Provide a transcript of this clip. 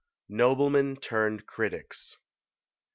NOBLEMEN TURNED CRITICS.